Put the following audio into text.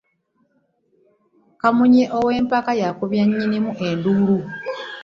Kamunye ow'empaka yakubya nyinnimu enduulu .